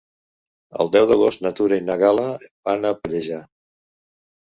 El deu d'agost na Tura i na Gal·la van a Pallejà.